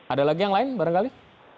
ada lagi yang lain barangkali